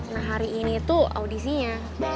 nah hari ini tuh audisinya